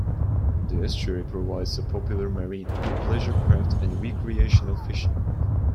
The estuary provides a popular marina for pleasure craft and recreational fishing.